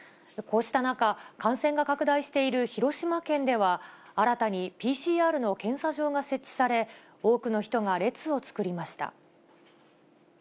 こうした中、感染が拡大している広島県では、新たにＰＣＲの検査場が設置され、多くの人が列を作りました。